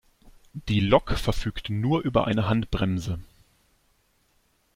Die Lok verfügt nur über eine Handbremse.